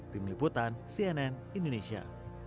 tim liputan cnn indonesia